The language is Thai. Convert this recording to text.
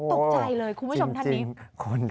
ตกใจเลยคุณผู้ชมท่านนี้